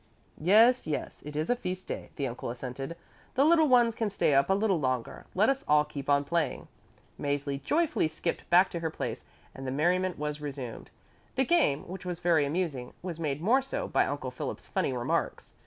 "Yes, yes, it is a feast day," the uncle assented; "the little ones can stay up a little longer. Let us all keep on playing." Mäzli joyfully skipped back to her place, and the merriment was resumed. The game, which was very amusing, was made more so by Uncle Philip's funny remarks.